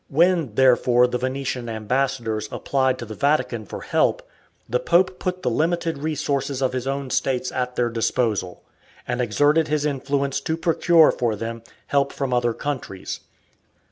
When, therefore, the Venetian ambassadors applied to the Vatican for help, the Pope put the limited resources of his own states at their disposal, and exerted his influence to procure for them help from other countries.